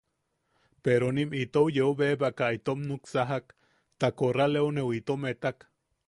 Peronim itom yeu bebaka itom nuksakak, ta korraloneu itom etak.